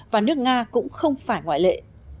và nước nga cũng không phải ngoại lệ